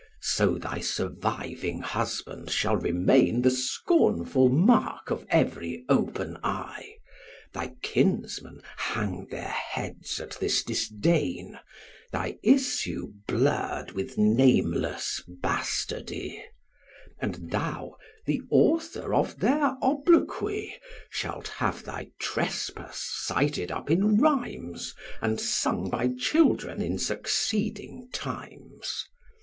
'So thy surviving husband shall remain The scornful mark of every open eye; Thy kinsmen hang their heads at this disdain, Thy issue blurr'd with nameless bastardy: And thou, the author of their obloquy, Shalt have thy trespass cited up in rhymes, And sung by children in succeeding times.